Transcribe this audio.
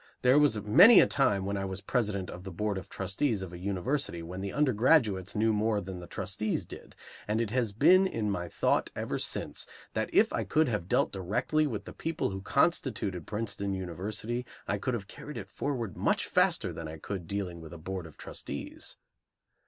There was many a time when I was president of the board of trustees of a university when the undergraduates knew more than the trustees did; and it has been in my thought ever since that if I could have dealt directly with the people who constituted Princeton University I could have carried it forward much faster than I could dealing with a board of trustees.